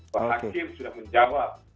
pak hakim sudah menjawab